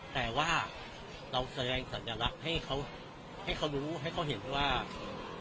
แต่ว่าเราแสดงสัญลักษณ์ให้เขาให้เขารู้ให้เขาเห็นว่า